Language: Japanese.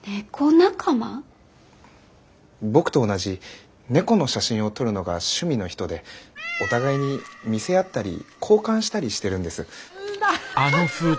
僕と同じ猫の写真を撮るのが趣味の人でお互いに見せ合ったり交換したりしてるんです。